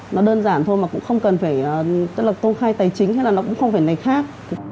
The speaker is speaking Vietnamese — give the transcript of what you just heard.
nó đơn giản thôi mà cũng không cần phải tức là công khai tài chính hay là nó cũng không phải này khác